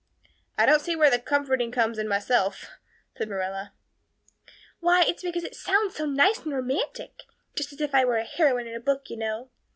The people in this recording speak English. "I don't see where the comforting comes in myself," said Marilla. "Why, because it sounds so nice and romantic, just as if I were a heroine in a book, you know.